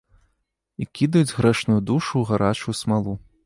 І кідаюць грэшную душу ў гарачую смалу.